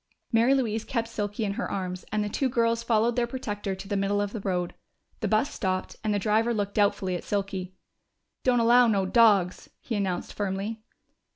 Mary Louise kept Silky in her arms, and the two girls followed their protector to the middle of the road. The bus stopped, and the driver looked doubtfully at Silky. "Don't allow no dogs," he announced firmly.